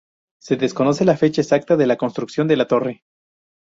Se desconoce la fecha exacta de la construcción de la torre.